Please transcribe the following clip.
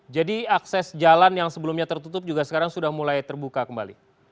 jadi akses jalan yang sebelumnya tertutup juga sekarang sudah mulai terbuka kembali